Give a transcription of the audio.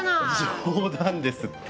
冗談ですって。